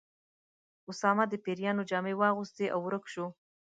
اسامه د پیریانو جامې واغوستې او ورک شو.